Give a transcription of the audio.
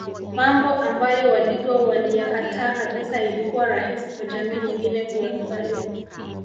Mambo ambayo wadigo waliyakataa kabisa ilikuwa rahisi kwa jamii nyingine kuyakubali